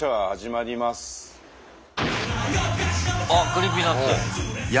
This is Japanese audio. あっＣｒｅｅｐｙＮｕｔｓ！